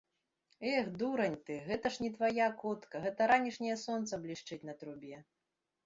- Эх, дурань ты, гэта ж не твая котка, гэта ранішняе сонца блішчыць на трубе